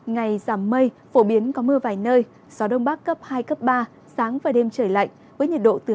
ngày giảm mây phổ biến có mưa vài nơi gió đông bắc cấp hai ba sáng và đêm trời lạnh với nhiệt độ từ hai mươi hai mươi bảy độ